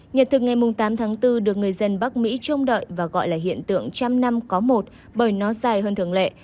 nhật thực ngày tám tháng bốn được người dân bắc mỹ trông đợi và gọi là hiện tượng trăm năm có một bởi nó dài hơn thường lệ